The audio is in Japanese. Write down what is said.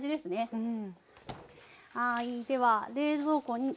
うん。